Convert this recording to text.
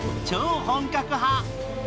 超本格派！